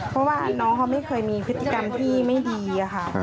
เพราะว่าน้องเขาไม่เคยมีพฤติกรรมที่ไม่ดีค่ะ